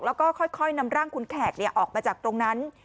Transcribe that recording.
แล้วก็ค่อยเริ่มน้ำร่างคุณแขกเนี่ยออกประจำตรงนั้น